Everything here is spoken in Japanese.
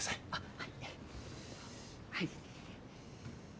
はい。